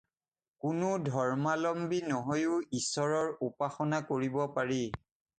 কোনো ধৰ্মাৱলম্বী নহৈও ঈশ্বৰৰ উপাসনা কৰিব পাৰি।